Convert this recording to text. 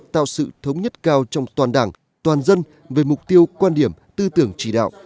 tạo sự thống nhất cao trong toàn đảng toàn dân về mục tiêu quan điểm tư tưởng chỉ đạo